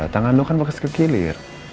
tangan lo kan bakal kekilir